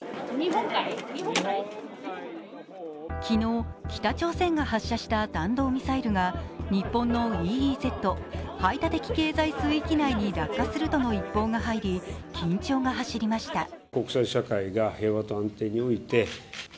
昨日、北朝鮮が発射した弾道ミサイルが日本のＥＥＺ＝排他的経済水域に落下するとの一報が入り緊張が走りました。